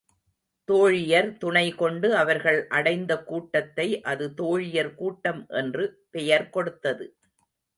தோழியர் துணை கொண்டு அவர்கள் அடைந்த கூட்டத்தை அது தோழியர் கூட்டம் என்று பெயர் கொடுத்தது.